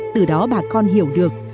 từ đó bà con hiểu được